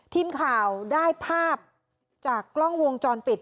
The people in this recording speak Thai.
ทีมข่าวได้ภาพจากกล้องวงจรปิด